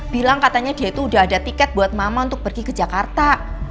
bilang katanya dia itu udah ada tiket buat mama untuk pergi ke jakarta